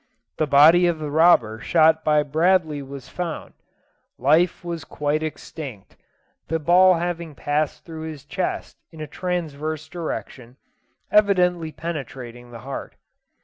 The body of the robber shot by Bradley was found; life was quite extinct, the ball having passed through his chest in a transverse direction, evidently penetrating the heart.